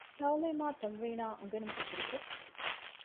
ތަޢުލީމާއި ތަމްރީނާއި އުނގެނުމުގެ ފުރުޞަތު